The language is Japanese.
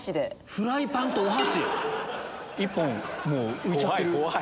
フライパンとお箸⁉１本浮いちゃってる。